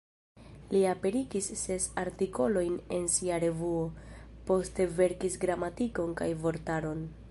Li aperigis ses artikolojn en sia revuo; poste verkis gramatikon kaj vortaron.